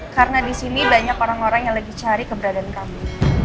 karena di sini banyak orang orang yang lagi cari keberadaan kamu